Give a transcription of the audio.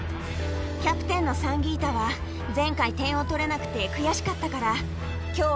キャプテンのサンギータは前回点を取れなくて悔しかったから。